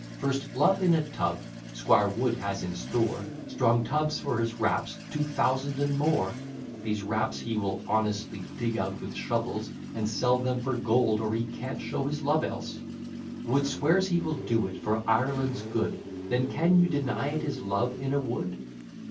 First, Love in a Tub: Squire Wood has in store Strong tubs for his raps, two thousand and more; These raps he will honestly dig out with shovels, And sell them for gold, or he can't show his love else. Wood swears he will do it for Ireland's good, Then can you deny it is Love in a Wood?